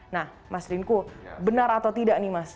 nah mas rinku benar atau tidak nih mas